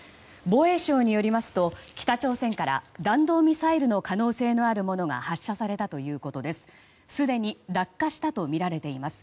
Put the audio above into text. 防衛省によりますと北朝鮮から弾道ミサイルの可能性のあるものが発射されたということです。